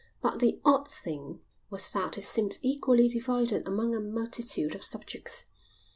But the odd thing was that it seemed equally divided among a multitude of subjects.